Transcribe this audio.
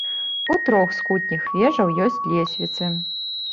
У трох з кутніх вежаў ёсць лесвіцы.